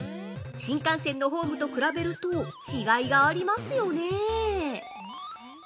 新幹線のホームと比べると違いがありますよね？